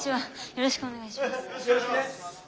よろしくお願いします。